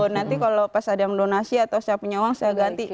nanti kalau pas ada yang donasi atau saya punya uang saya ganti